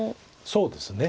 そうですね。